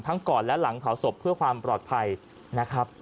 ก่อนและหลังเผาศพเพื่อความปลอดภัยนะครับ